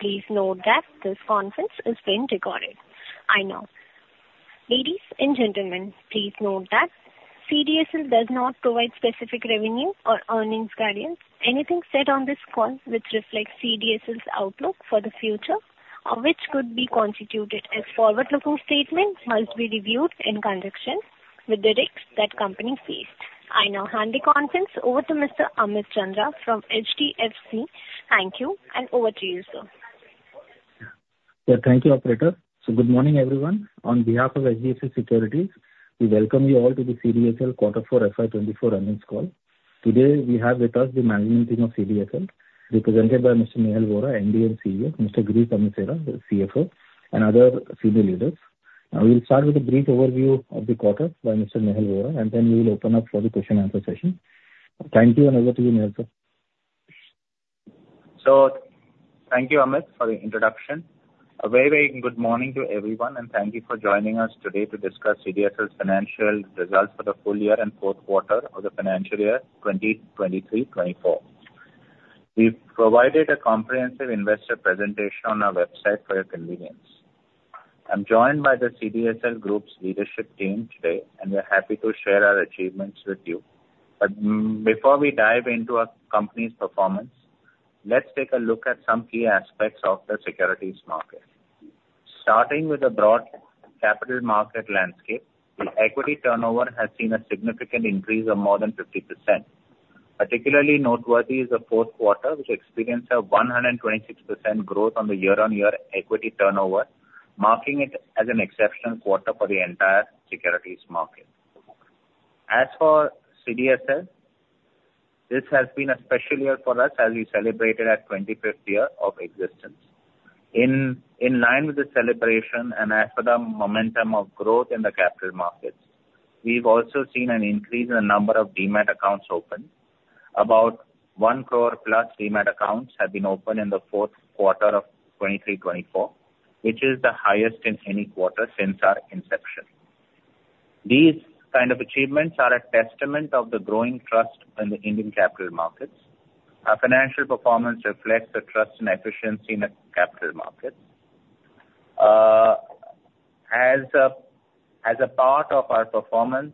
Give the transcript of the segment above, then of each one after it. Please note that this conference is being recorded. Ladies and gentlemen, please note that CDSL does not provide specific revenue or earnings guidance. Anything said on this call which reflects CDSL's outlook for the future, or which could be constituted as forward-looking statements, must be reviewed in conjunction with the risks that company face. I now hand the conference over to Mr. Amit Chandra from HDFC. Thank you, and over to you, sir. Yeah, thank you, operator. So good morning, everyone. On behalf of HDFC Securities, we welcome you all to the CDSL quarter four FY 2024 earnings call. Today, we have with us the management team of CDSL, represented by Mr. Nehal Vora, MD and CEO, Mr. Girish Amesara, the CFO, and other senior leaders. Now we'll start with a brief overview of the quarter by Mr. Nehal Vora, and then we will open up for the question and answer session. Thank you, and over to you, Nehal, sir. So thank you, Amit, for the introduction. A very, very good morning to everyone, and thank you for joining us today to discuss CDSL's financial results for the full year and fourth quarter of the financial year 2023-2024. We've provided a comprehensive investor presentation on our website for your convenience. I'm joined by the CDSL group's leadership team today, and we're happy to share our achievements with you. But before we dive into our company's performance, let's take a look at some key aspects of the securities market. Starting with the broad capital market landscape, the equity turnover has seen a significant increase of more than 50%. Particularly noteworthy is the fourth quarter, which experienced a 126% growth on the year-on-year equity turnover, marking it as an exceptional quarter for the entire securities market. As for CDSL, this has been a special year for us as we celebrated our 25th year of existence. In line with the celebration and as for the momentum of growth in the capital markets, we've also seen an increase in the number of demat accounts opened. About 10,000,000 plus demat accounts have been opened in the fourth quarter of 2023-2024, which is the highest in any quarter since our inception. These kind of achievements are a testament of the growing trust in the Indian capital markets. Our financial performance reflects the trust and efficiency in the capital markets. As a part of our performance,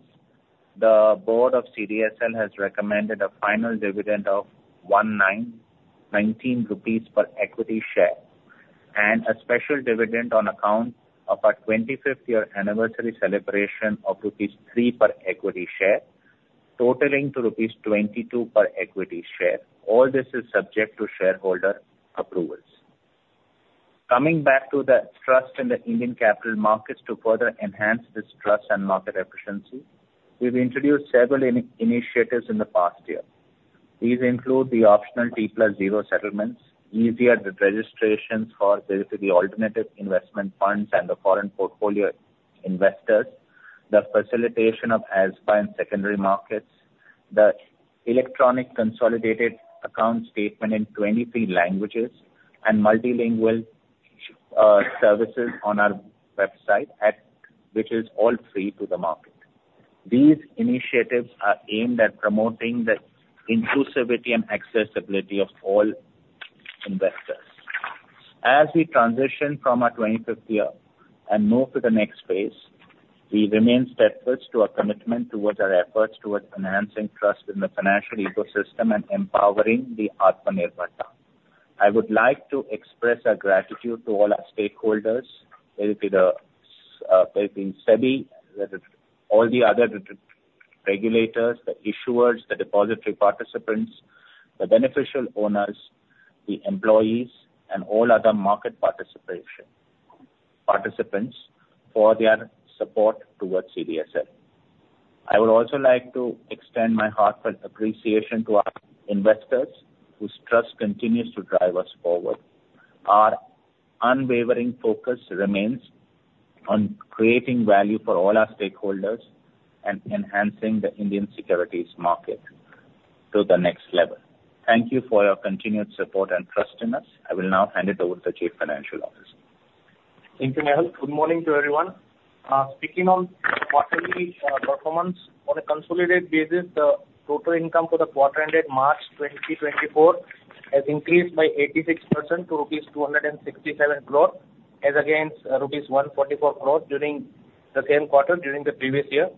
the board of CDSL has recommended a final dividend of 19 rupees per equity share, and a special dividend on account of our 25th year anniversary celebration of rupees 3 per equity share, totaling to rupees 22 per equity share. All this is subject to shareholder approvals. Coming back to the trust in the Indian capital markets, to further enhance this trust and market efficiency, we've introduced several initiatives in the past year. These include the optional T+0 settlements, easier registrations for the alternative investment funds and the foreign portfolio investors, the facilitation of ASBA in secondary markets, the electronic consolidated account statement in 23 languages, and multilingual services on our website, which is all free to the market. These initiatives are aimed at promoting the inclusivity and accessibility of all investors. As we transition from our 25th year and move to the next phase, we remain steadfast to our commitment towards our efforts towards enhancing trust in the financial ecosystem and empowering the Atmanirbharta. I would like to express our gratitude to all our stakeholders, whether it be SEBI, whether all the other regulators, the issuers, the depository participants, the beneficial owners, the employees, and all other market participants for their support towards CDSL. I would also like to extend my heartfelt appreciation to our investors, whose trust continues to drive us forward. Our unwavering focus remains on creating value for all our stakeholders and enhancing the Indian securities market to the next level. Thank you for your continued support and trust in us. I will now hand it over to Chief Financial Officer. Thank you, Nehal. Good morning to everyone. Speaking on quarterly performance, on a consolidated basis, the total income for the quarter ended March 2024 has increased by 86% to rupees 267 crore, as against rupees 144 crore during the same quarter during the previous year.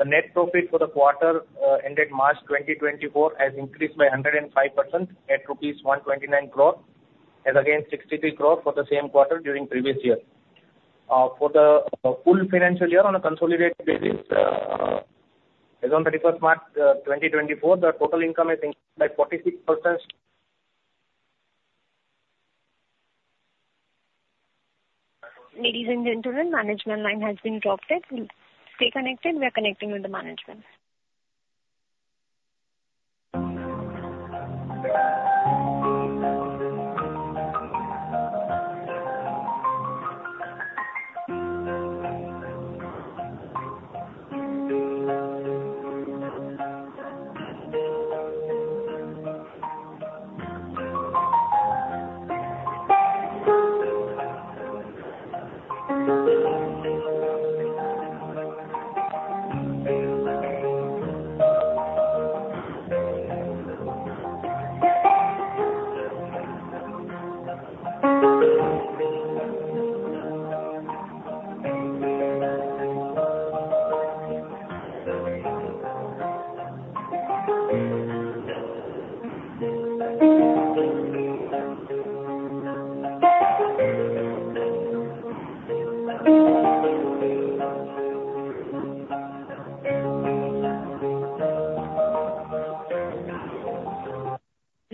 The net profit for the quarter ended March 2024 has increased by 105% at rupees 129 crore, as against 63 crore for the same quarter during previous year. For the full financial year, on a consolidated basis, as on 31st March 2024, the total income has increased by 46%. Ladies and gentlemen, management line has been dropped. Stay connected, we are connecting with the management.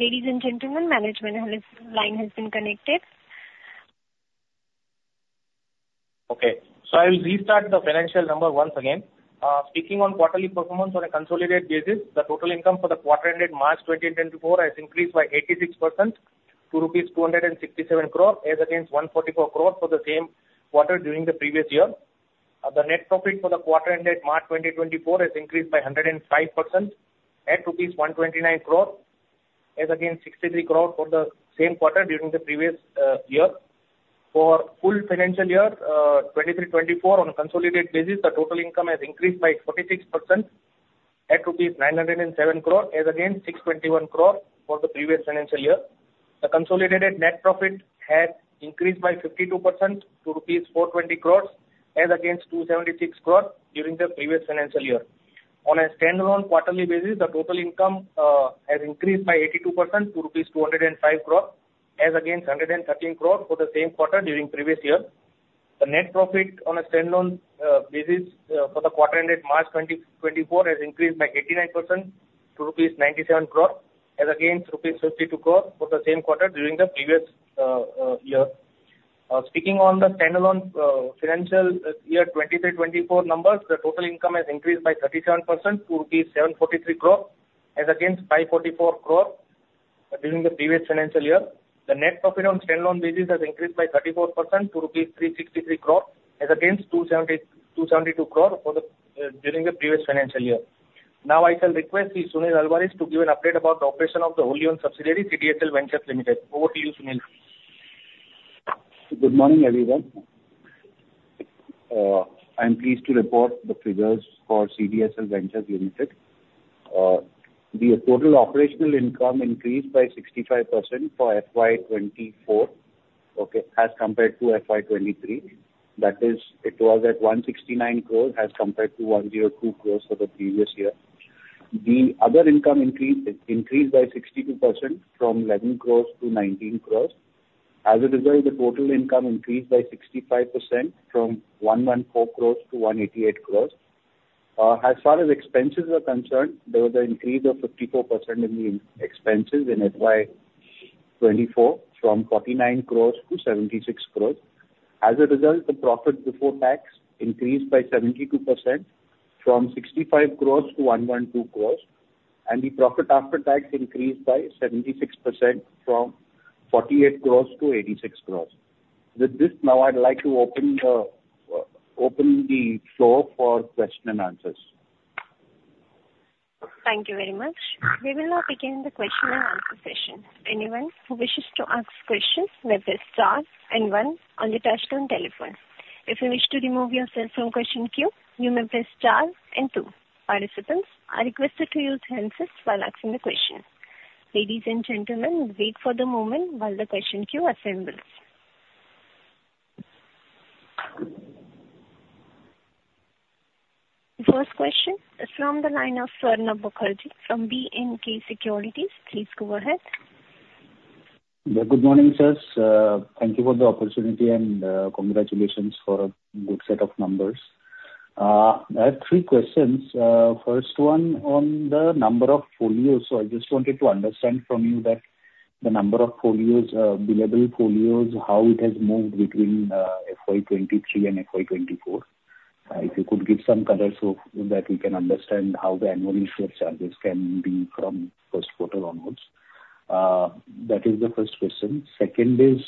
Ladies and gentlemen, management has... line has been connected. Okay, so I will restart the financial number once again. Speaking on quarterly performance on a consolidated basis, the total income for the quarter ended March 2024 has increased by 86% to rupees 267 crore, as against 144 crore for the same quarter during the previous year. The net profit for the quarter ended March 2024 has increased by 105% at rupees 129 crore, as against 63 crore for the same quarter during the previous year. For full financial year 2023-2024 on a consolidated basis, the total income has increased by 46% at rupees 907 crore, as against 621 crore for the previous financial year. The consolidated net profit has increased by 52% to rupees 420 crore, as against 276 crore during the previous financial year. On a standalone quarterly basis, the total income has increased by 82% to rupees 205 crore, as against 113 crore for the same quarter during previous year. The net profit on a standalone basis for the quarter ended March 2024 has increased by 89% to rupees 97 crore, as against rupees 52 crore for the same quarter during the previous year. Speaking on the standalone financial year 2023-2024 numbers, the total income has increased by 37% to rupees 743 crore, as against 544 crore during the previous financial year. The net profit on standalone basis has increased by 34% to rupees 363 crore, as against 272 crore during the previous financial year. Now I shall request Sunil Alvares to give an update about the operation of the wholly-owned subsidiary, CDSL Ventures Limited. Over to you, Sunil. Good morning, everyone. I'm pleased to report the figures for CDSL Ventures Limited. The total operational income increased by 65% for FY 2024, okay, as compared to FY 2023. That is, it was at 169 crore as compared to 102 crore for the previous year. The other income increased, increased by 62% from 11 crore to 19 crore. As a result, the total income increased by 65% from 114 crore to 188 crore. As far as expenses are concerned, there was an increase of 54% in the expenses in FY 2024, from 49 crore to 76 crore. As a result, the profit before tax increased by 72% from 65 crore to 112 crore, and the profit after tax increased by 76% from 48 crore to 86 crore. With this, now I'd like to open the floor for question and answers. Thank you very much. We will now begin the question and answer session. Anyone who wishes to ask questions may press star and one on the touchtone telephone. If you wish to remove yourself from question queue, you may press star and two. Participants are requested to use hands-free while asking the question. Ladies and gentlemen, wait for the moment while the question queue assembles. First question is from the line of Swarnabha Mukherjee from B&K Securities. Please go ahead. Good morning, sirs. Thank you for the opportunity and, congratulations for a good set of numbers. I have three questions. First one on the number of folios. So I just wanted to understand from you that the number of folios, billable folios, how it has moved between, FY 2023 and FY 2024. If you could give some color, so that we can understand how the annual issue charges can be from first quarter onwards. That is the first question. Second is,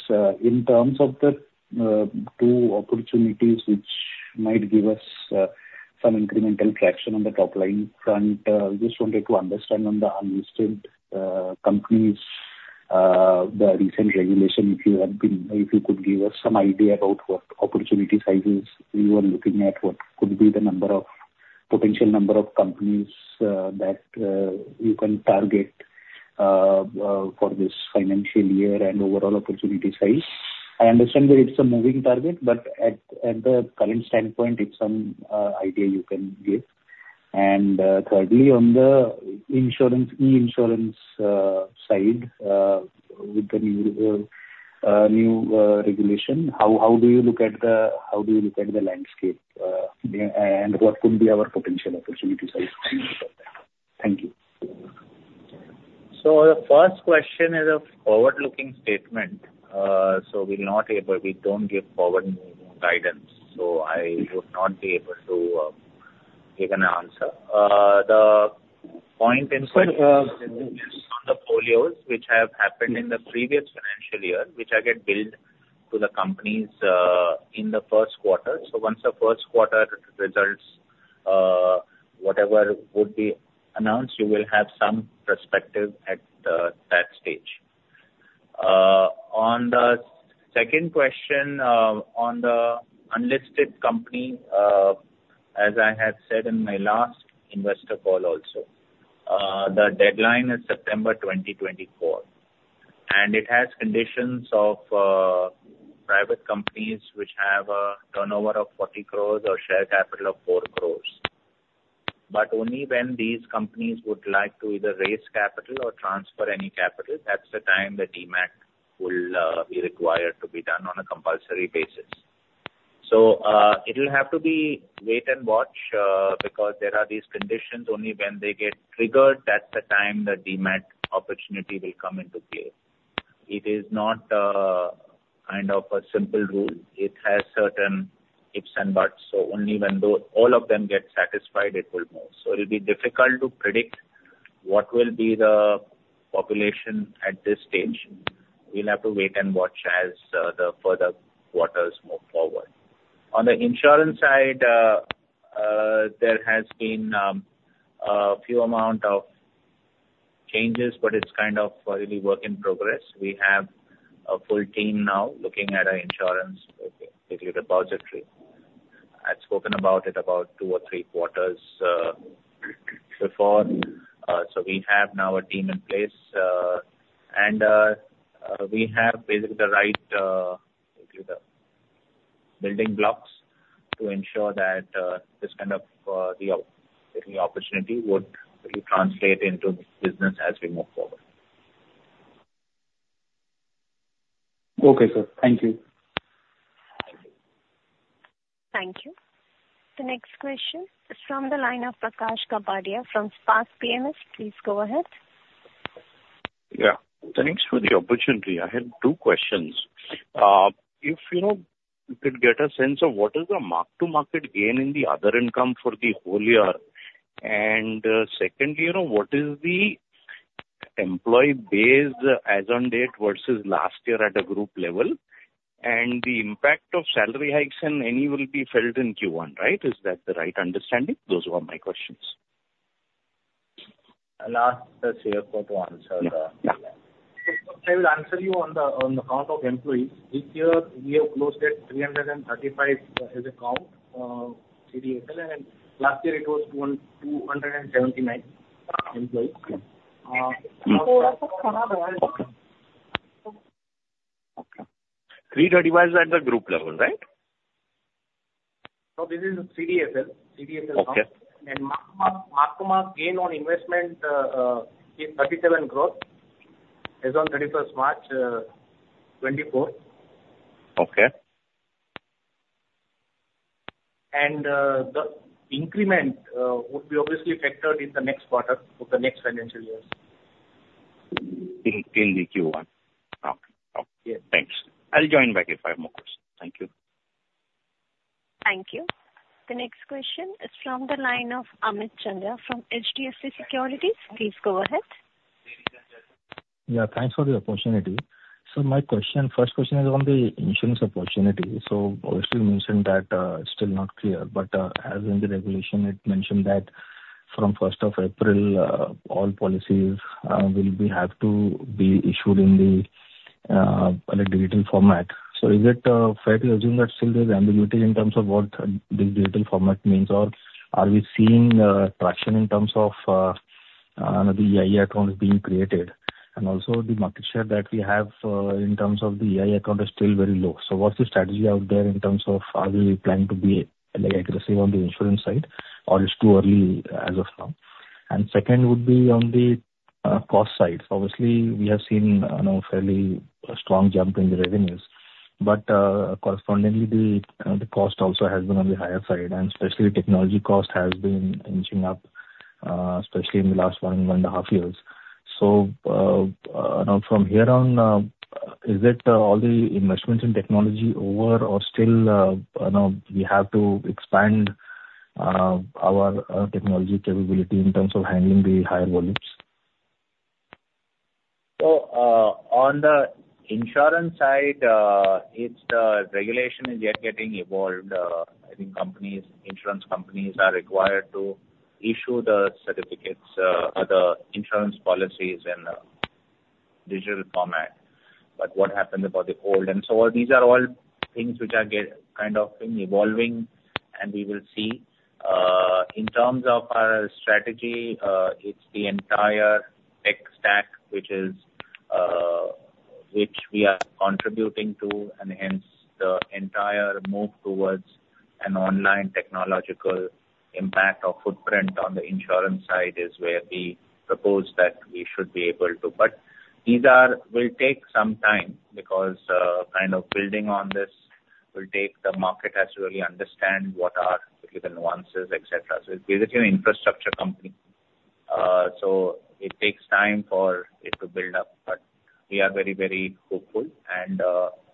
in terms of the, two opportunities which might give us, some incremental traction on the top line front, just wanted to understand on the unlisted, companies, the recent regulation, if you have been... If you could give us some idea about what opportunity sizes you are looking at, what could be the potential number of companies that you can target for this financial year and overall opportunity size? I understand that it's a moving target, but at the current standpoint, if some idea you can give. Thirdly, on the insurance, e-insurance side, with the new regulation, how do you look at the landscape, and what could be our potential opportunity size? Thank you. So the first question is a forward-looking statement. So we're not able—we don't give forward guidance, so I would not be able to give an answer. The point in- So, uh- the folios which have happened in the previous financial year, which I get billed to the companies, in the first quarter. So once the first quarter results, whatever would be announced, you will have some perspective at the, that stage. On the second question, on the unlisted company, as I have said in my last investor call also, the deadline is September 2024. And it has conditions of, private companies which have a turnover of 40 crore or share capital of 4 crore. But only when these companies would like to either raise capital or transfer any capital, that's the time the demat will, be required to be done on a compulsory basis. So, it will have to be wait and watch, because there are these conditions. Only when they get triggered, that's the time the demat opportunity will come into play. It is not kind of a simple rule. It has certain ifs and buts, so only when though all of them get satisfied, it will move. So it'll be difficult to predict what will be the population at this stage. We'll have to wait and watch as the further quarters move forward. On the insurance side, there has been a few amount of changes, but it's kind of really work in progress. We have a full team now looking at our insurance, basically, depository. I'd spoken about it about two or three quarters before. So we have now a team in place, and we have basically the right, basically, the building blocks to ensure that this kind of the opportunity would translate into business as we move forward. Okay, sir. Thank you. Thank you. The next question is from the line of Prakash Kapadia, from Spark PWM. Please go ahead. Yeah. Thanks for the opportunity. I had two questions. If, you know, you could get a sense of what is the mark-to-market gain in the other income for the whole year? And secondly, you know, what is the employee base as on date versus last year at a group level? And the impact of salary hikes and any will be felt in Q1, right? Is that the right understanding? Those were my questions. I'll ask the CFO to answer the... Yeah. I will answer you on the, on the count of employees. This year, we have closed at 335 as a count, CDSL, and last year it was 279 employees. Okay. 3:35 is at the group level, right? No, this is CDSL, CDSL count. Okay. Mark-to-market gain on investment is 37% growth as on 31 March 2024. Okay. The increment would be obviously factored in the next quarter for the next financial years. In the Q1? Okay. Okay. Yeah. Thanks. I'll join back if I have more questions. Thank you. Thank you. The next question is from the line of Amit Chandra from HDFC Securities. Please go ahead. Yeah, thanks for the opportunity. So my question, first question is on the insurance opportunity. So obviously you mentioned that, it's still not clear, but, as in the regulation, it mentioned that from first of April, all policies, will be, have to be issued in the, like, digital format. So is it, fair to assume that still there's ambiguity in terms of what this digital format means? Or are we seeing, traction in terms of, the EI account being created? And also the market share that we have, in terms of the EI account is still very low. So what's the strategy out there in terms of are we planning to be, like, aggressive on the insurance side, or it's too early as of now? And second would be on the, cost side. Obviously, we have seen, you know, fairly a strong jump in the revenues, but, correspondingly, the cost also has been on the higher side, and especially technology cost has been inching up, especially in the last one and a half years. So, now, from here on, is it all the investments in technology over or still, you know, we have to expand our technology capability in terms of handling the higher volumes? So, on the insurance side, it's the regulation is yet getting evolved. I think companies, insurance companies are required to issue the certificates, or the insurance policies in a digital format. But what happened about the old? And so these are all things which are kind of evolving, and we will see. In terms of our strategy, it's the entire tech stack, which we are contributing to, and hence the entire move towards an online technological impact or footprint on the insurance side is where we propose that we should be able to. But these are... will take some time because, kind of building on this will take... The market has to really understand what are the nuances, et cetera. So it's basically an infrastructure company. So it takes time for it to build up, but we are very, very hopeful, and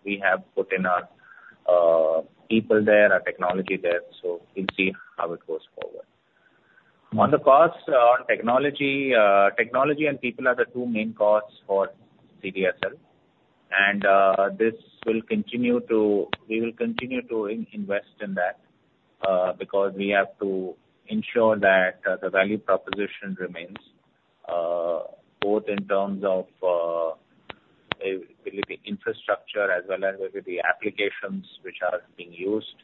we have put in our people there, our technology there, so we'll see how it goes forward. On the costs on technology, technology and people are the two main costs for CDSL. And this will continue to—we will continue to invest in that because we have to ensure that the value proposition remains both in terms of maybe the infrastructure as well as maybe the applications which are being used.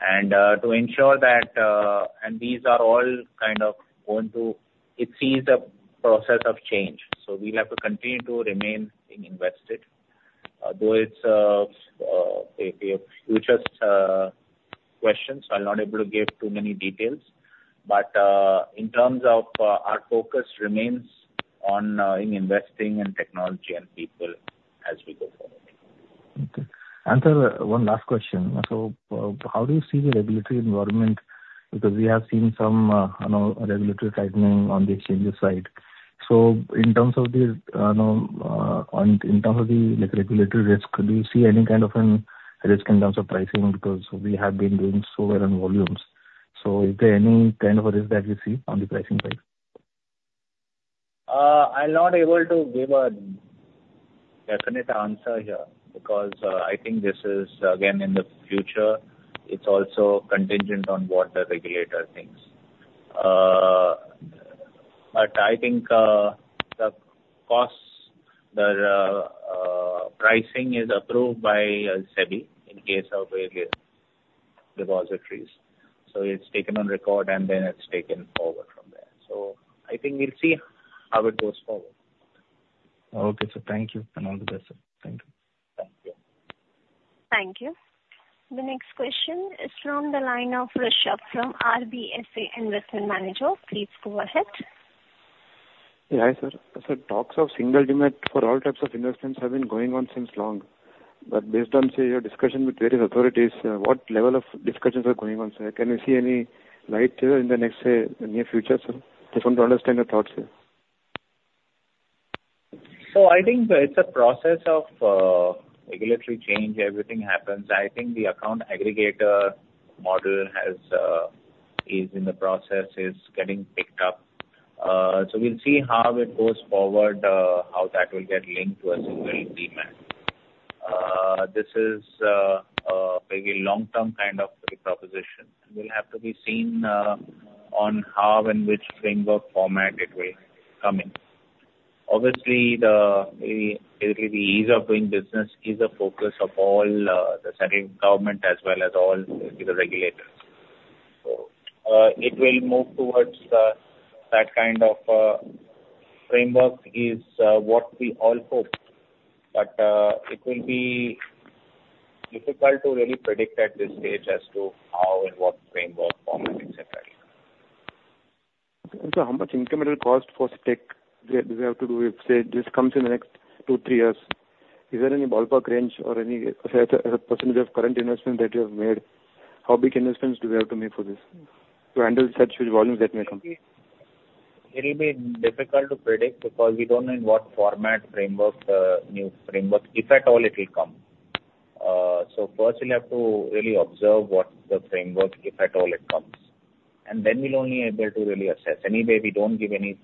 And to ensure that, and these are all kind of going to—it sees a process of change, so we have to continue to remain invested. Though it's a futures question, so I'm not able to give too many details. In terms of, our focus remains on in investing in technology and people as we go forward. Okay. Sir, one last question. So, how do you see the regulatory environment? Because we have seen some, you know, regulatory tightening on the exchanges side. So in terms of the, you know, in terms of the, like, regulatory risk, do you see any kind of an risk in terms of pricing? Because we have been doing so well on volumes. So is there any kind of a risk that you see on the pricing side? I'm not able to give a definite answer here, because I think this is, again, in the future. It's also contingent on what the regulator thinks. But I think the costs that pricing is approved by SEBI in case of various depositories. So it's taken on record, and then it's taken forward from there. So I think we'll see how it goes forward. Okay, sir. Thank you, and all the best, sir. Thank you. Thank you. Thank you. The next question is from the line of Rushabh from RBSA Investment Managers. Please go ahead. Yeah, hi, sir. So talks of single demand for all types of investments have been going on since long. But based on, say, your discussion with various authorities, what level of discussions are going on, sir? Can you see any light here in the next, say, near future, sir? Just want to understand your thoughts here. So I think it's a process of regulatory change. Everything happens. I think the account aggregator model has is in the process, is getting picked up. So we'll see how it goes forward, how that will get linked to a single demat. This is a very long-term kind of a proposition. It will have to be seen on how and which framework format it will come in. Obviously, the ease of doing business is a focus of all the central government as well as all the regulators. So it will move towards that kind of framework is what we all hope. But it will be difficult to really predict at this stage as to how and what framework, format, et cetera. How much incremental cost for tech do we have to do if, say, this comes in the next 2-3 years? Is there any ballpark range or any percentage of current investment that you have made? How big investments do we have to make for this to handle such volumes that may come? It'll be difficult to predict because we don't know in what format, framework, new framework, if at all, it will come. So first we'll have to really observe what the framework, if at all it comes, and then we'll only able to really assess. Anyway, we don't give any,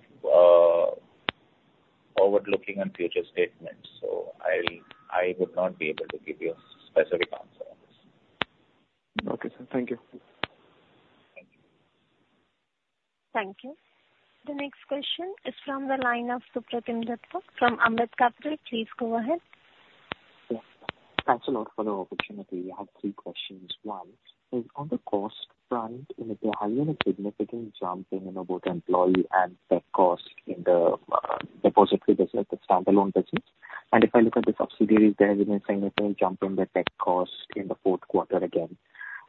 forward-looking and future statements, so I'll, I would not be able to give you a specific answer on this. Okay, sir. Thank you. Thank you. The next question is from the line of Supratim Datta from Ambit Capital. Please go ahead. Yes. Thanks a lot for the opportunity. I have three questions. One, is on the cost front, you know, there has been a significant jump in, you know, both employee and tech costs in the depository business, the standalone business. And if I look at the subsidiaries, there has been a significant jump in the tech costs in the fourth quarter again.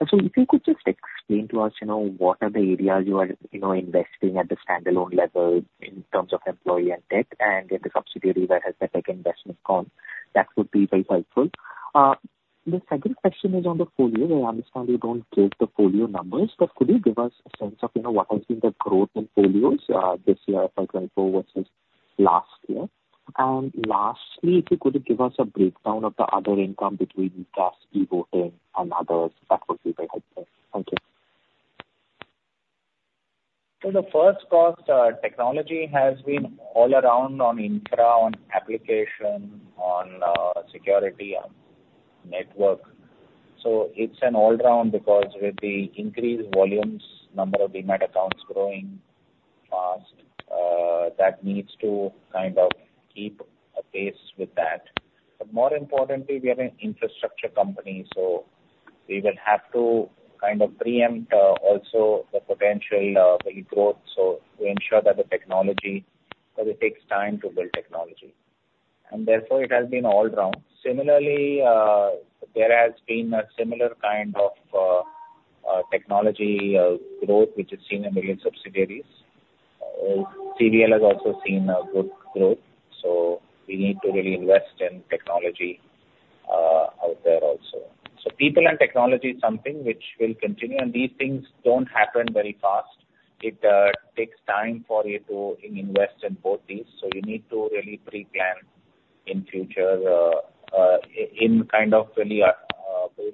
So if you could just explain to us, you know, what are the areas you are, you know, investing at the standalone level in terms of employee and tech, and in the subsidiary where has the tech investment gone? That would be very helpful. The second question is on the folio. I understand you don't give the folio numbers, but could you give us a sense of, you know, what has been the growth in folios this year, for example, versus last year? And lastly, if you could give us a breakdown of the other income between CAS e-voting and others, that would be very helpful. Thank you. So the first cost, technology has been all around on infra, on application, on, security and network. So it's an all-round because with the increased volumes, number of demat accounts growing fast, that needs to kind of keep a pace with that. But more importantly, we are an infrastructure company, so we will have to kind of preempt, also the potential, very growth. So we ensure that the technology, because it takes time to build technology, and therefore it has been all round. Similarly, there has been a similar kind of, technology, growth, which is seen in the subsidiaries. CDSL has also seen a good growth, so we need to really invest in technology, out there also. So people and technology is something which will continue, and these things don't happen very fast. It takes time for you to invest in both these, so you need to really pre-plan in future, in kind of really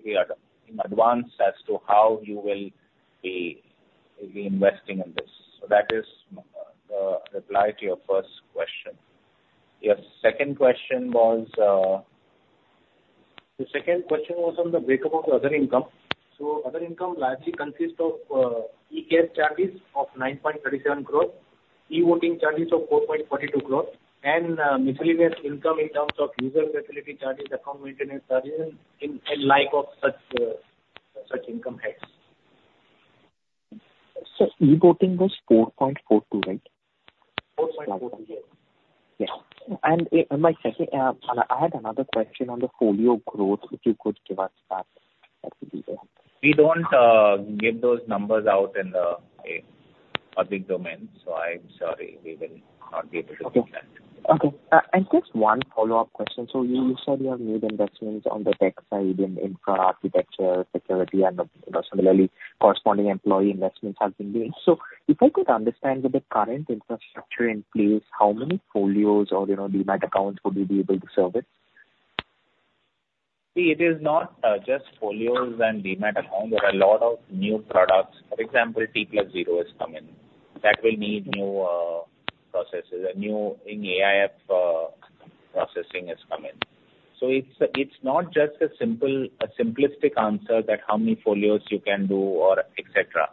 in advance as to how you will be, be investing in this. So that is the reply to your first question. Your second question was, the second question was on the breakup of the other income. So other income largely consists of e-CAS charges of 9.37 crore, e-voting charges of 4.42 crore, and miscellaneous income in terms of user facility charges, account maintenance charges, and like of such such income heads. e-voting was 4.42, right? 4.42, yes. Yeah. And, my second, I had another question on the folio growth, if you could give us that, that would be great. We don't give those numbers out in the public domain, so I'm sorry, we will not be able to do that. Okay. Okay, and just one follow-up question. So you said you have made investments on the tech side in infra architecture, security, and, you know, similarly, corresponding employee investments have been made. So if I could understand with the current infrastructure in place, how many folios or, you know, demat accounts would you be able to serve it? See, it is not just folios and Demat account. There are a lot of new products. For example, T+0 has come in. That will need new processes, a new in AIF processing has come in. So it's not just a simple, a simplistic answer that how many folios you can do or et cetera.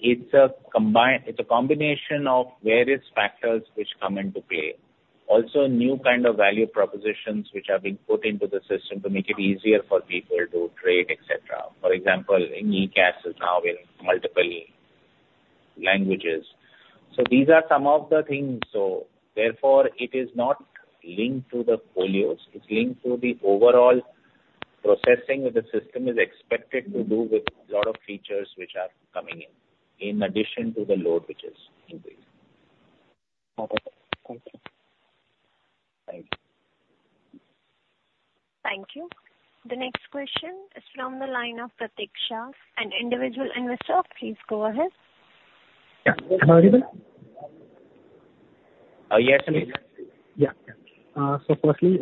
It's a combination of various factors which come into play. Also, new kind of value propositions which are being put into the system to make it easier for people to trade, et cetera. For example, e-CAS is now in multiple languages. So these are some of the things, so therefore, it is not linked to the folios. It's linked to the overall processing of the system, which is expected to do with a lot of features which are coming in, in addition to the load which is increasing. Okay. Thank you. Thank you. Thank you. The next question is from the line of Pratik Shah, an individual investor. Please go ahead. Yeah. Hello, everyone? Yes, sir. Yeah. Yeah. So firstly,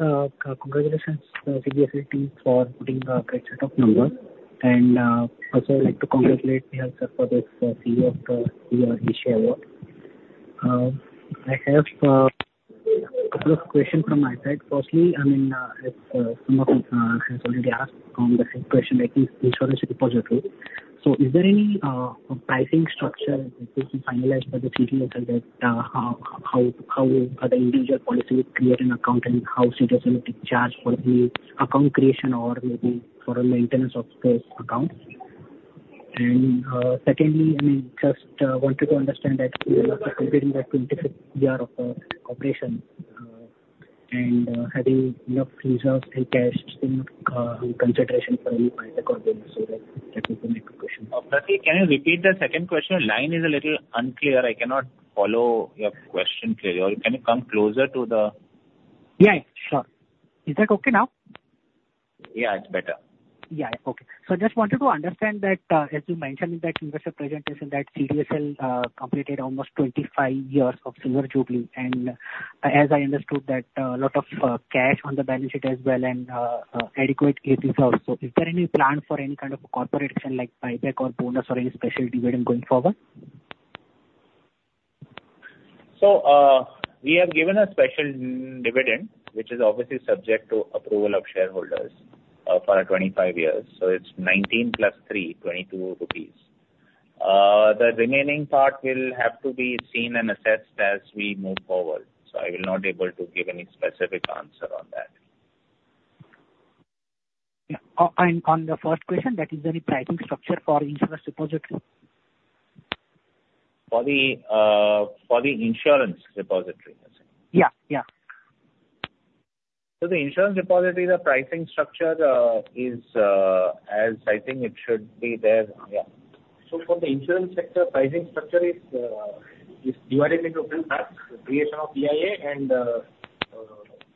congratulations, CDSL team for putting a great set of numbers. And also I'd like to congratulate Nehal, sir, for the CEO of the year Asia award. I have couple of questions from my side. Firstly, I mean, if someone has already asked on the same question, like insurance repository. So is there any pricing structure which is finalized by the regulator that how the individual policy will create an account and how CDSL will be charged for the account creation or maybe for a maintenance of this account? And secondly, I mean, just wanted to understand that completing the 25th year of operation and having enough reserves and cash in consideration for any buyback or dividend. So that was my question. Pratik, can you repeat the second question? Your line is a little unclear. I cannot follow your question clearly. Or can you come closer to the- Yeah, sure. Is that okay now? Yeah, it's better. Yeah. Okay. So just wanted to understand that, as you mentioned in that investor presentation, that CDSL completed almost 25 years of silver jubilee, and as I understood that, a lot of cash on the balance sheet as well and adequate PATs also. Is there any plan for any kind of corporate action, like buyback or bonus or any special dividend going forward? So, we have given a special dividend, which is obviously subject to approval of shareholders, for our 25 years. So it's 19 + 3, 22 rupees. The remaining part will have to be seen and assessed as we move forward, so I will not be able to give any specific answer on that. Yeah. On the first question, that is there any pricing structure for Insurance Repository? For the insurance repository, you're saying? Yeah, yeah. The Insurance Repository, the pricing structure, is as I think it should be there. Yeah. So for the insurance sector, pricing structure is divided into two parts, the creation of EIA and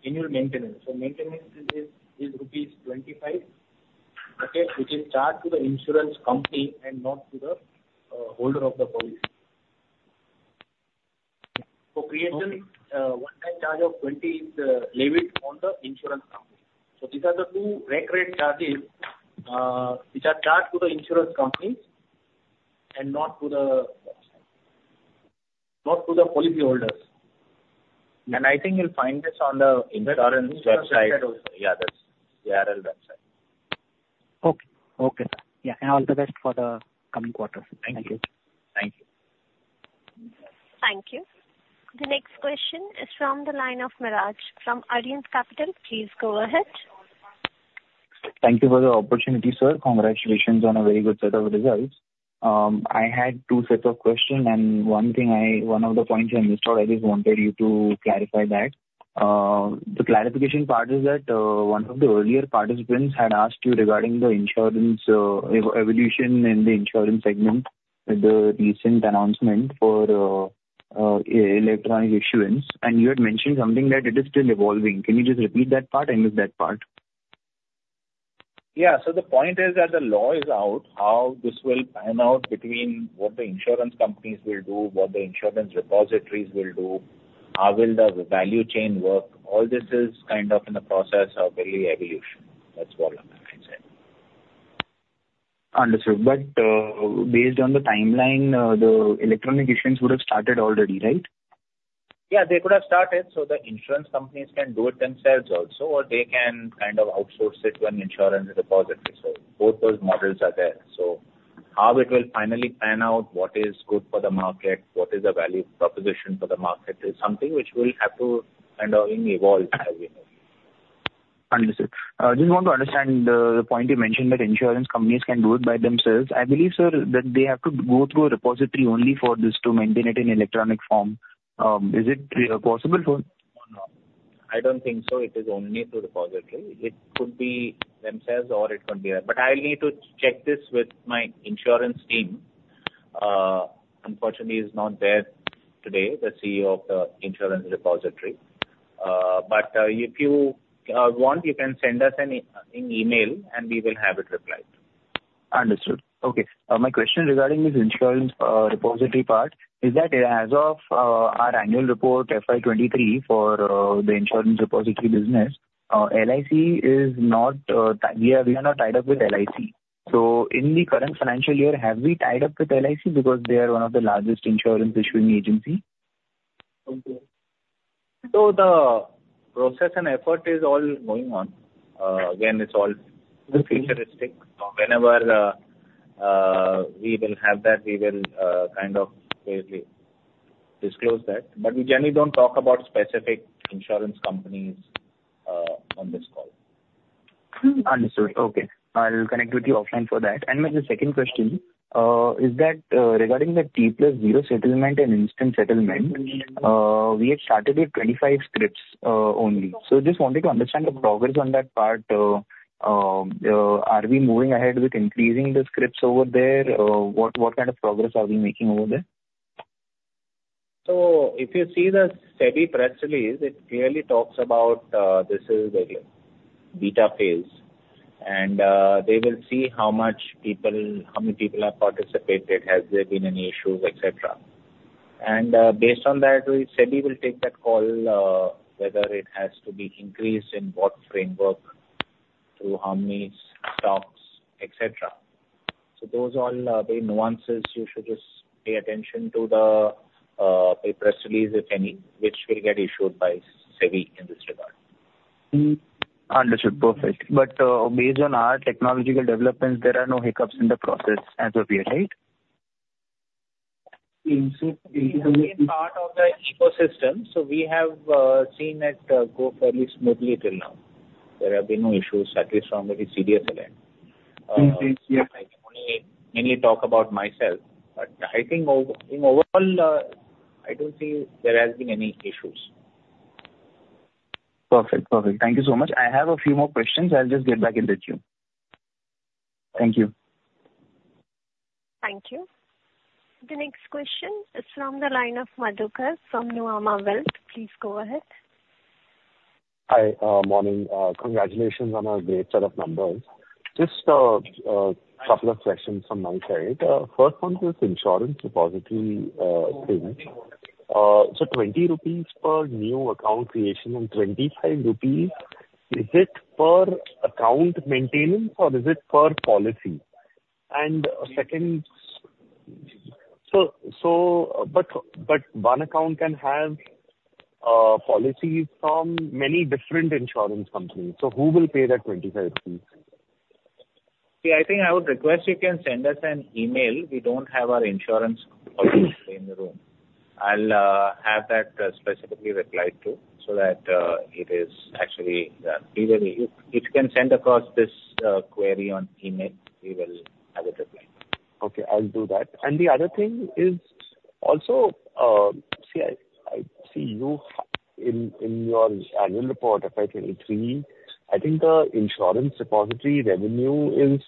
annual maintenance. So maintenance is rupees 25, okay? Which is charged to the insurance company and not to the holder of the policy. For creation, one-time charge of 20 is levied on the insurance company. So these are the two regular rate charges, which are charged to the insurance companies and not to the policyholders. I think you'll find this on the insurance website. Yeah, that's the CIRL website Okay. Okay, sir. Yeah, and all the best for the coming quarters. Thank you. Thank you. Thank you. The next question is from the line of Miraj from Arihant Capital. Please go ahead. Thank you for the opportunity, sir. Congratulations on a very good set of results. I had two sets of questions, and one thing. One of the points I missed out, I just wanted you to clarify that. The clarification part is that, one of the earlier participants had asked you regarding the insurance, evolution in the insurance segment, the recent announcement for, electronic issuance, and you had mentioned something that it is still evolving. Can you just repeat that part? I missed that part. Yeah. So the point is that the law is out, how this will pan out between what the insurance companies will do, what the insurance repositories will do, how will the value chain work? All this is kind of in the process of early evolution. That's all. Understood. But, based on the timeline, the electronic issuance would have started already, right? Yeah, they could have started, so the insurance companies can do it themselves also, or they can kind of outsource it to an Insurance Repository. So both those models are there. So how it will finally pan out, what is good for the market, what is the value proposition for the market, is something which will have to kind of evolve as we know. Understood. I just want to understand the point you mentioned that insurance companies can do it by themselves. I believe, sir, that they have to go through a repository only for this to maintain it in electronic form. Is it possible for or not? I don't think so, it is only through repository. It could be themselves or it could be... But I'll need to check this with my insurance team. Unfortunately, he's not there today, the CEO of the insurance repository. But if you want, you can send us an email, and we will have it replied. Understood. Okay. My question regarding this insurance repository part is that as of our annual report, FY 2023, for the insurance repository business, LIC is not, we are, we are not tied up with LIC. So in the current financial year, have we tied up with LIC? Because they are one of the largest insurance issuing agency. So the process and effort is all going on. Again, it's all futuristic. So whenever we will have that, we will kind of clearly disclose that. But we generally don't talk about specific insurance companies on this call. Understood. Okay. I'll connect with you offline for that. And my second question is regarding the T+0 settlement and instant settlement. We had started with 25 scrips only. So just wanted to understand the progress on that part. Are we moving ahead with increasing the scrips over there? What kind of progress are we making over there? So if you see the SEBI press release, it clearly talks about this is the beta phase. And they will see how much people, how many people have participated, has there been any issues, et cetera. And based on that, SEBI will take that call, whether it has to be increased, in what framework, through how many stocks, et cetera. So those all are the nuances you should just pay attention to the press release, if any, which will get issued by SEBI in this regard. Mm. Understood. Perfect. But, based on our technological developments, there are no hiccups in the process as of yet, right? Part of the ecosystem, so we have seen it go fairly smoothly till now. There have been no issues, at least from the CDSL end. Mm-hmm. Yes. I can only mainly talk about myself, but I think in overall, I don't see there has been any issues. Perfect. Perfect. Thank you so much. I have a few more questions. I'll just get back in the queue. Thank you. Thank you. The next question is from the line of Madhukar from Nuvama Wealth. Please go ahead. Hi. Morning. Congratulations on a great set of numbers! Just a couple of questions from my side. First one is insurance repository thing. So 20 rupees per new account creation and 25 rupees, is it per account maintenance or is it per policy? And second, one account can have policies from many different insurance companies, so who will pay the 25 rupees? See, I think I would request you can send us an email. We don't have our insurance partner in the room. I'll have that specifically replied to, so that it is actually clearly. If you can send across this query on email, we will have it replied. Okay, I'll do that. And the other thing is also, see, I see you in your annual report, effectively, I think the insurance repository revenue is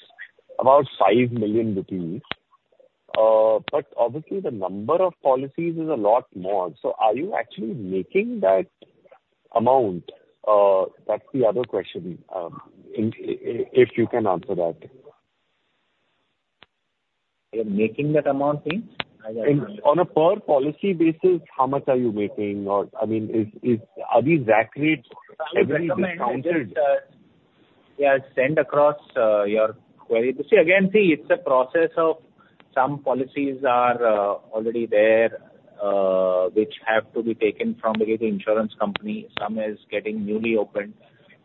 about 5 million rupees. But obviously, the number of policies is a lot more. So are you actually making that amount? That's the other question, if you can answer that. You're making that amount in? On a per policy basis, how much are you making? Or, I mean, are these accurate, heavily discounted? Yeah, send across your query. But see, again, see, it's a process of some policies are already there, which have to be taken from maybe the insurance company, some is getting newly opened.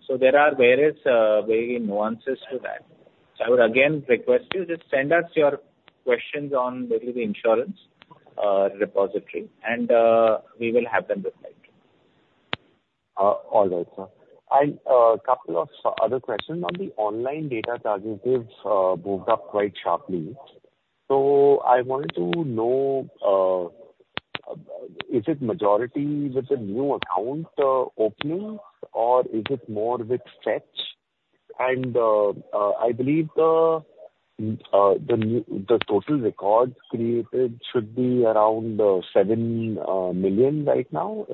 So there are various nuances to that. So I would again request you, just send us your questions on maybe the insurance repository, and we will have them replied to. All right, sir. I couple of other questions. On the online demat accounts moved up quite sharply. So I wanted to know, is it majority with the new account openings, or is it more with fetch? And I believe the total records created should be around 7 million right now.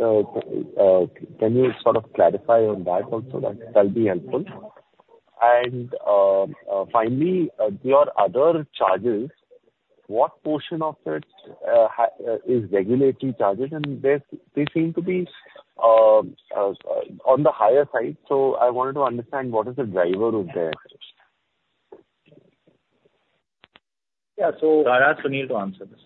Can you sort of clarify on that also? That'll be helpful. And finally, your other charges—what portion of it is regulatory charges? And they seem to be on the higher side. So I wanted to understand what is the driver of that? Yeah. So I'll ask Sunil to answer this.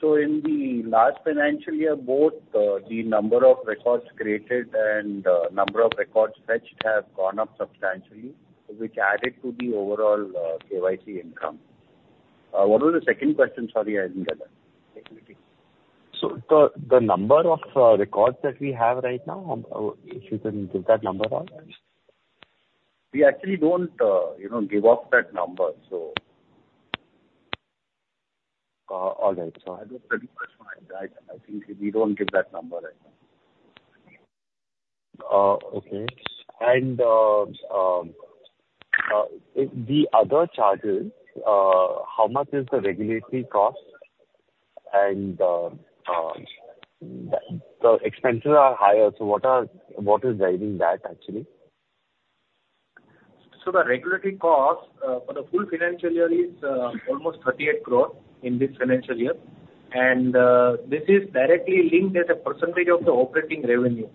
So in the last financial year, both the number of records created and number of records fetched have gone up substantially, which added to the overall KYC income. What was the second question? Sorry, I didn't get that. So the number of records that we have right now, if you can give that number out. We actually don't, you know, give out that number, so. All right. Sorry. I think we don't give that number out. Okay. And, if the other charges, how much is the regulatory cost? And, the expenses are higher, so what are- what is driving that, actually? So the regulatory cost for the full financial year is almost 38 crore in this financial year. And this is directly linked as a percentage of the operating revenue.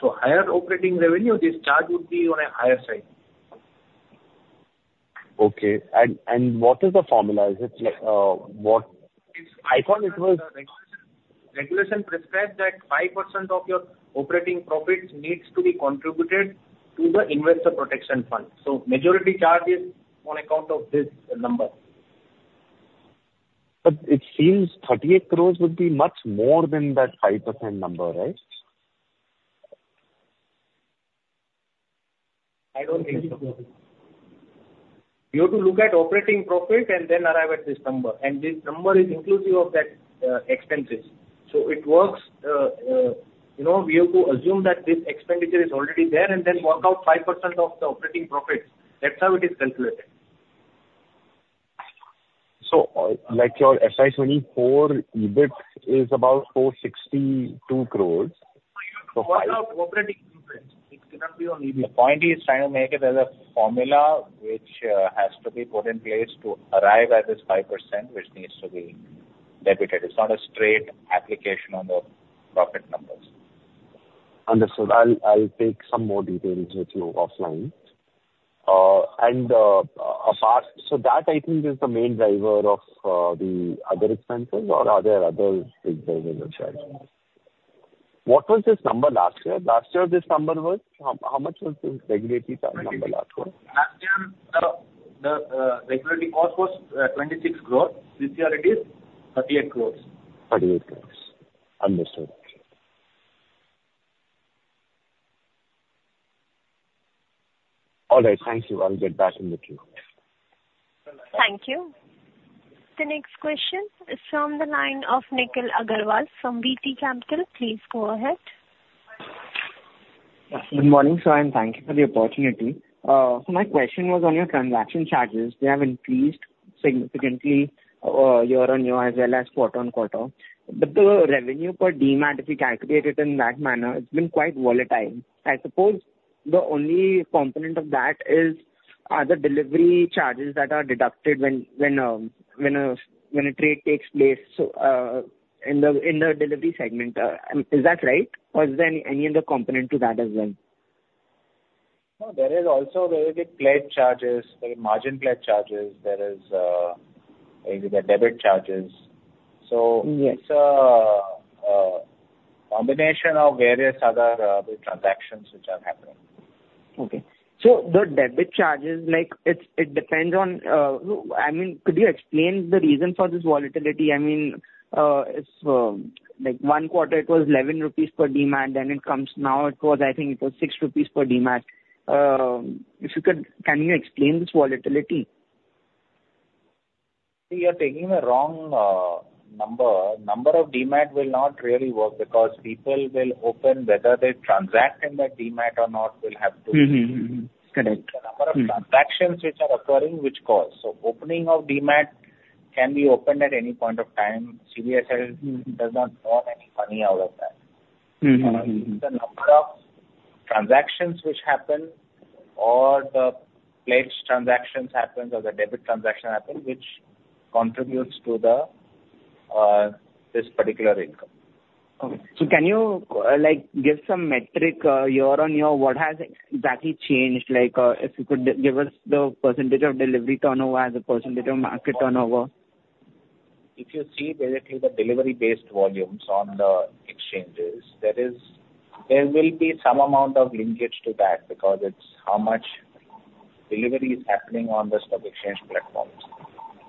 So higher operating revenue, this charge would be on a higher side. Okay. And, and what is the formula? Is it, what... I thought it was- Regulation prescribes that 5% of your operating profits needs to be contributed to the Investor Protection Fund, so majority charge is on account of this number. It seems 38 crore would be much more than that 5% number, right? I don't think so. You have to look at operating profit and then arrive at this number, and this number is inclusive of that, expenses. So it works, you know, we have to assume that this expenditure is already there, and then work out 5% of the operating profits. That's how it is calculated. Like your FY 2024, EBIT is about INR 462 crore. No, you have to find out operating profits. It cannot be on EBIT. The point he's trying to make is there's a formula which has to be put in place to arrive at this 5%, which needs to be debited. It's not a straight application on the profit numbers. Understood. I'll take some more details with you offline. So that, I think, is the main driver of the other expenses, or are there other big drivers as well? What was this number last year? Last year, this number was... How much was the regulatory number last year? Last year, the regulatory cost was 26 crore. This year it is 38 crore. 38 crore. Understood. All right, thank you. I'll get back in with you. Thank you. The next question is from the line of Nikhil Agarwal from VT Capital. Please go ahead. Good morning, sir, and thank you for the opportunity. So my question was on your transaction charges. They have increased significantly, year-over-year, as well as quarter-over-quarter. But the revenue per demat, if you calculate it in that manner, it's been quite volatile. I suppose the only component of that is the delivery charges that are deducted when a trade takes place, so in the delivery segment. Is that right, or is there any other component to that as well? No, there is also the pledge charges, the margin pledge charges. There is the debit charges. Yes. So it's a combination of various other the transactions which are happening. Okay. So the debit charges, like, it depends on. I mean, could you explain the reason for this volatility? I mean, it's like one quarter it was 11 rupees per demat, then it comes, now it was, I think, it was 6 rupees per demat. If you could, can you explain this volatility? You're taking the wrong number. Number of demat will not really work because people will open, whether they transact in that demat or not, will have to- Mm-hmm. Mm-hmm. Correct. The number of transactions which are occurring, which cause. So opening of demat can be opened at any point of time. CDSL- Mm-hmm. does not draw any money out of that. Mm-hmm. Mm-hmm. It's the number of transactions which happen, or the pledge transactions happens, or the debit transaction happen, which contributes to this particular income. Okay. So can you, like, give some metric, year on year, what has exactly changed? Like, if you could give us the percentage of delivery turnover as a percentage of market turnover. If you see directly the delivery-based volumes on the exchanges, there will be some amount of linkage to that, because it's how much delivery is happening on the stock exchange platforms.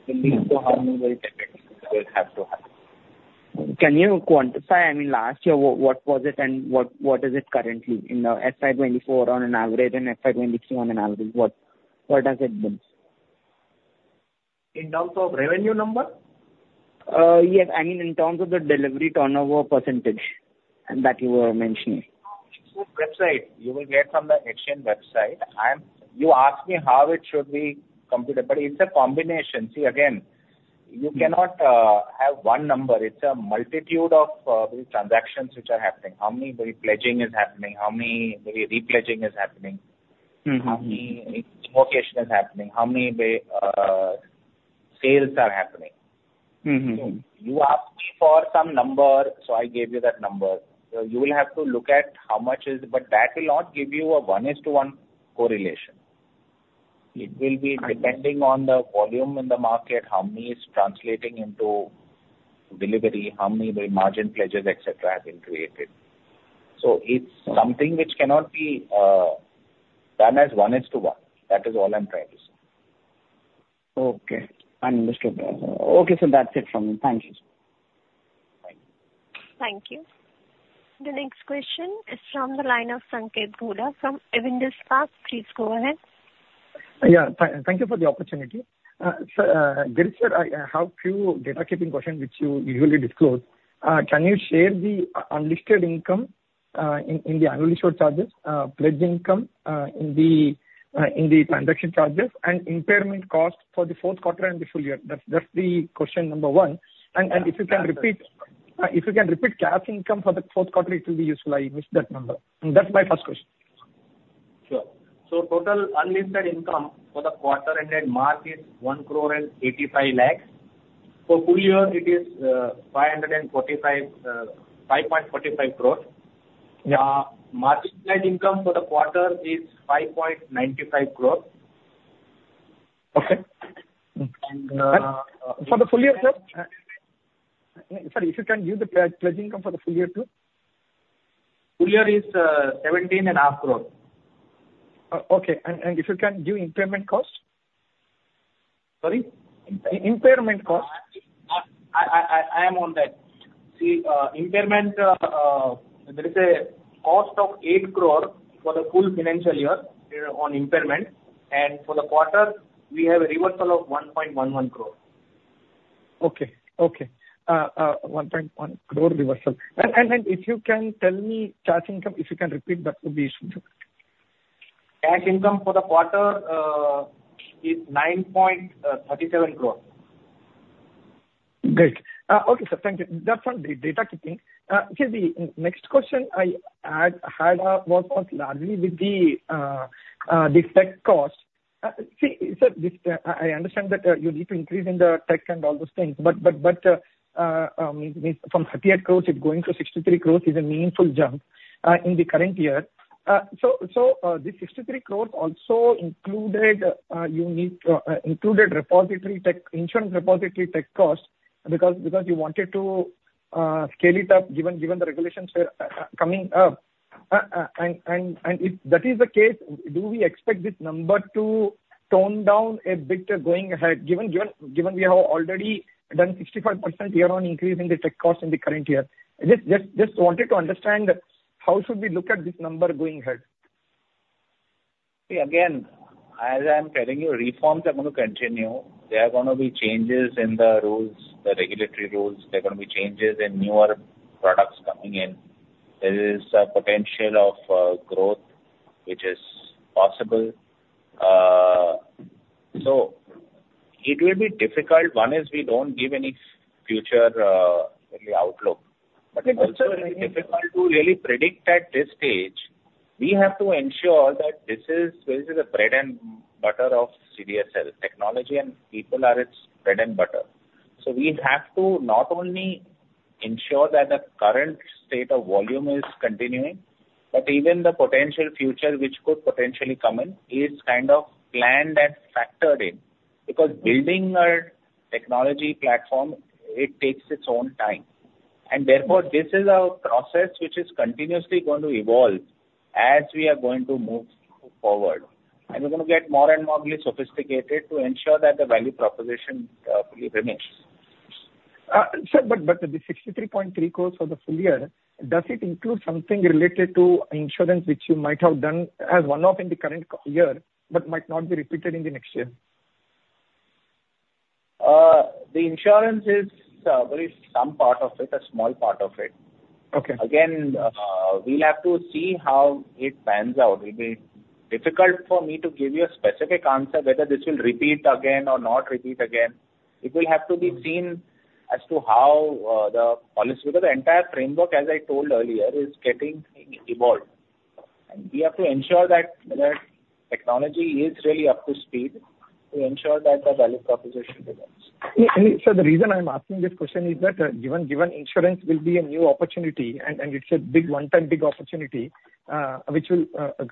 It leads to how many will take it, will have to happen. Can you quantify, I mean, last year, what was it and what is it currently in the FY 2024 on an average and FY 2023 on an average? What has it been? In terms of revenue number? Yes. I mean, in terms of the delivery turnover percentage, and that you were mentioning. Website. You will get from the exchange website. I'm... You asked me how it should be computed, but it's a combination. See, again, you cannot have one number. It's a multitude of the transactions which are happening. How many the pledging is happening, how many the repledging is happening?... mm-hmm, how many invocation is happening? How many sales are happening? Mm-hmm. You asked me for some number, so I gave you that number. So you will have to look at how much is, but that will not give you a one-to-one correlation. I know. It will be depending on the volume in the market, how many is translating into delivery, how many the margin pledges, et cetera, have been created. So it's something which cannot be done as one is to one. That is all I'm trying to say. Okay, I understood that. Okay, sir, that's it from me. Thank you, sir. Bye. Thank you. The next question is from the line of Sanketh Godha from Avendus Capital. Please go ahead. Yeah, thank you for the opportunity. Sir, Girish sir, I have few data keeping question, which you usually disclose. Can you share the unlisted income in the annual issue charges, pledge income in the transaction charges, and impairment cost for the fourth quarter and the full year? That's the question number one. Yeah. If you can repeat CAS income for the fourth quarter, it will be useful. I missed that number. That's my first question. Sure. So total unlisted income for the quarter ended March is 1.85 crore. For full year, it is 5.45 crore. Yeah. Margin Pledge income for the quarter is 5.95 crore. Okay. And, uh- For the full year, sir? Sorry, if you can give the pledge income for the full year, too? Full year is 17.5 crore. Okay. And if you can give impairment cost? Sorry? Impairment cost. I am on that. See, impairment, there is a cost of 8 crore for the full financial year on impairment, and for the quarter, we have a reversal of 1.11 crore. Okay. Okay. 1.1 crore reversal. And if you can tell me cash income, if you can repeat, that would be useful, sir. Cash income for the quarter is 9.37 crore. Great. Okay, sir. Thank you. That's on the data keeping. Okay, the next question I had was on largely with the tech cost. See, sir, this, I understand that you need to increase in the tech and all those things, but from 38 crores it going to 63 crores is a meaningful jump in the current year. So, this 63 crores also included repository tech, insurance repository tech costs, because you wanted to scale it up, given the regulations were coming up. If that is the case, do we expect this number to tone down a bit going ahead, given we have already done 65% year on increase in the tech costs in the current year? Just wanted to understand how should we look at this number going ahead? See, again, as I am telling you, reforms are going to continue. There are gonna be changes in the rules, the regulatory rules. There are gonna be changes in newer products coming in. There is a potential of growth which is possible. So it will be difficult. One is we don't give any future, any outlook. But... But it's also very difficult to really predict at this stage. We have to ensure that this is the bread and butter of CDSL. Technology and people are its bread and butter. So we have to not only ensure that the current state of volume is continuing, but even the potential future which could potentially come in, is kind of planned and factored in. Mm. Because building a technology platform, it takes its own time, and therefore, this is a process which is continuously going to evolve as we are going to move forward. We're gonna get more and more really sophisticated to ensure that the value proposition, really remains. Sir, but the 63.3 crore for the full year, does it include something related to insurance, which you might have done as one-off in the current year, but might not be repeated in the next year? The insurance is very small part of it, a small part of it. Okay. Again, we'll have to see how it pans out. It'll be difficult for me to give you a specific answer, whether this will repeat again or not repeat again. Mm. It will have to be seen as to how, the policy... Because the entire framework, as I told earlier, is getting evolved, and we have to ensure that the technology is really up to speed, to ensure that the value proposition remains. Yeah. And, sir, the reason I'm asking this question is that, given insurance will be a new opportunity, and it's a big, one-time big opportunity, which will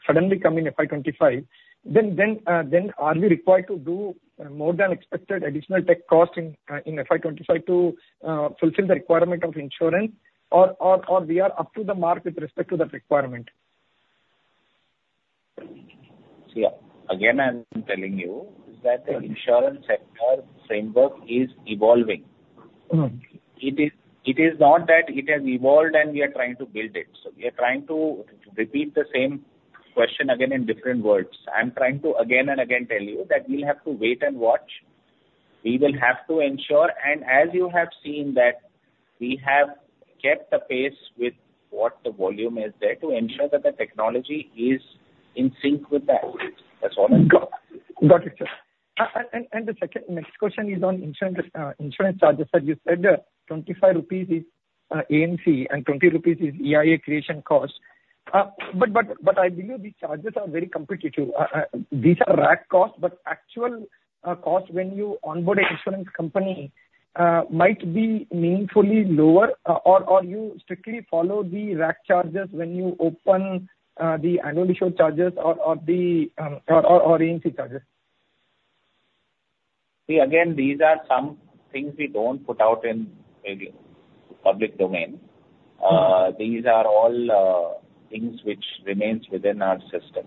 suddenly come in FY 25, then are we required to do more than expected additional tech cost in FY 25 to fulfill the requirement of insurance? Or we are up to the mark with respect to that requirement? See, again, I'm telling you that the insurance sector framework is evolving. Mm. It is, it is not that it has evolved and we are trying to build it. So we are trying to repeat the same question again in different words. I'm trying to again and again tell you that we'll have to wait and watch. We will have to ensure, and as you have seen, that we have kept the pace with what the volume is there, to ensure that the technology is in sync with that. That's all I'm saying.... Got it, sir. And the second next question is on insurance charges. Sir, you said that 25 rupees is AMC and 20 rupees is EIA creation cost. But I believe these charges are very competitive. These are rack costs, but actual costs when you onboard an insurance company might be meaningfully lower, or you strictly follow the rack charges when you open the annual issue charges or the AMC charges? See, again, these are some things we don't put out in the public domain. Mm-hmm. These are all things which remains within our system.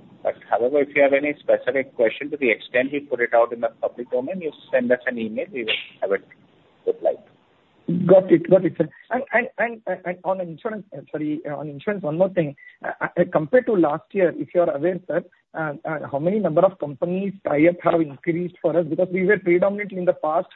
However, if you have any specific question, to the extent we put it out in the public domain, you send us an email, we will have it replied. Got it. Got it, sir. And on insurance, sorry, on insurance, one more thing. Compared to last year, if you are aware, sir, how many number of companies tie-up have increased for us? Because we were predominantly in the past,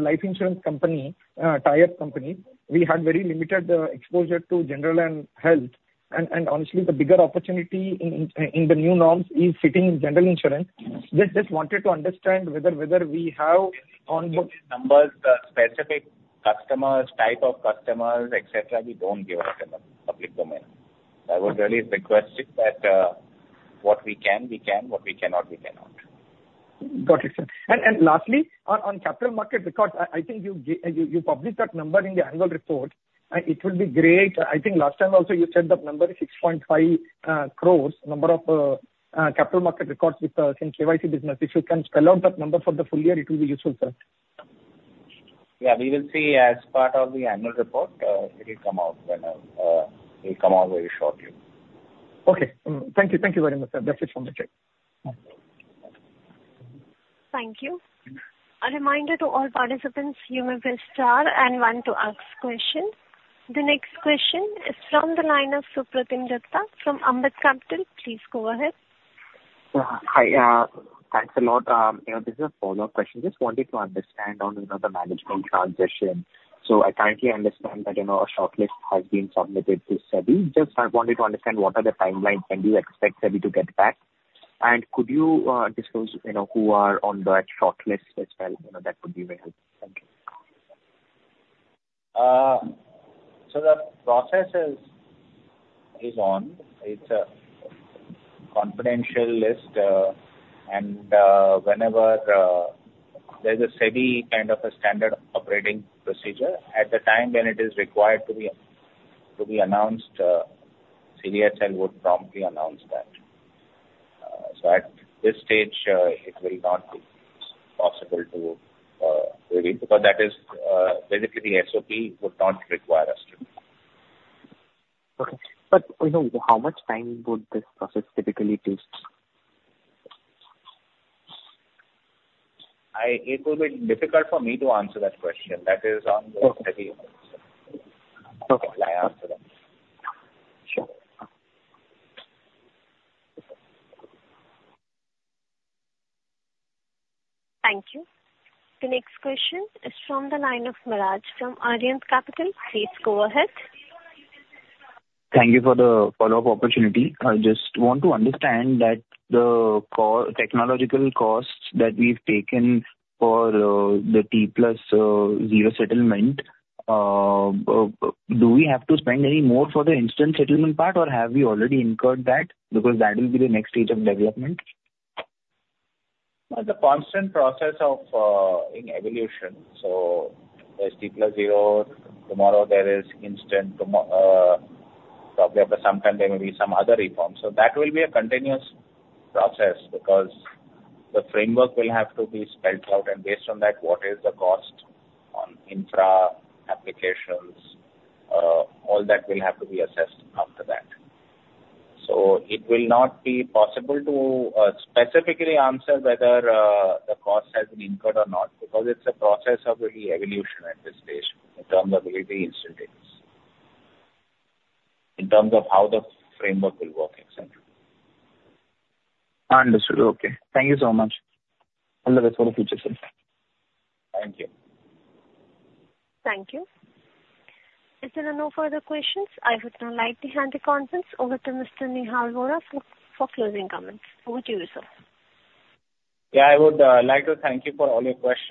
life insurance company, tie-up company. We had very limited, exposure to general and health. And honestly, the bigger opportunity in, in the new norms is sitting in general insurance. Just wanted to understand whether we have onboard- Numbers, the specific customers, type of customers, et cetera, we don't give out in the public domain. I would really request it that, what we can, we can, what we cannot, we cannot. Got it, sir. And lastly, on capital market records, I think you published that number in the annual report. It would be great. I think last time also you said that number is 6.5 crores, number of capital market records with us in KYC business. If you can spell out that number for the full year, it will be useful, sir. Yeah, we will see as part of the annual report, it will come out whenever, it will come out very shortly. Okay. Thank you. Thank you very much, sir. That's it from my side. Thank you. A reminder to all participants, you may press star and one to ask questions. The next question is from the line of Supratim Datta from Ambit Capital. Please go ahead. Hi, thanks a lot. You know, this is a follow-up question. Just wanted to understand on, you know, the management transition. So I currently understand that, you know, a shortlist has been submitted to SEBI. Just I wanted to understand what are the timelines, when do you expect SEBI to get back? And could you disclose, you know, who are on that shortlist as well? You know, that would be very helpful. Thank you. So the process is on. It's a confidential list, and whenever there's a SEBI kind of a standard operating procedure, at the time when it is required to be announced, CDSL would promptly announce that. So at this stage, it will not be possible to reveal, because that is basically the SOP would not require us to. Okay. But, you know, how much time would this process typically take? It will be difficult for me to answer that question. That is on the SEBI. Okay. I answer that. Sure. Thank you. The next question is from the line of Miraj from Arihant Capital. Please go ahead. Thank you for the follow-up opportunity. I just want to understand that the technological costs that we've taken for the T+0 settlement, do we have to spend any more for the instant settlement part, or have we already incurred that? Because that will be the next stage of development. Well, it's a constant process of in evolution. So there's T plus zero, tomorrow there is instant, probably after some time there may be some other reform. So that will be a continuous process, because the framework will have to be spelled out, and based on that, what is the cost on infra applications? All that will have to be assessed after that. So it will not be possible to specifically answer whether the cost has been incurred or not, because it's a process of the evolution at this stage in terms of will it be instant, in terms of how the framework will work exactly. Understood. Okay. Thank you so much. All the best for the future, sir. Thank you. Thank you. If there are no further questions, I would now like to hand the conference over to Mr. Nehal Vora for closing comments. Over to you, sir. Yeah, I would like to thank you for all your questions.